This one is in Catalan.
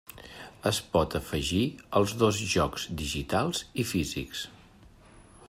Es pot afegir als dos jocs digitals i físics.